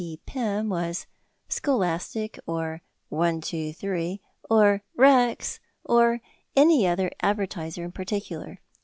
P. Pym was "Scholastic," or "123," or "Rex," or any other advertiser in particular.